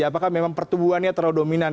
apakah memang pertumbuhannya terlalu dominan